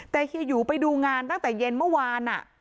แต่เฮียหยูไปดูงานตั้งแต่เย็นเมื่อวาน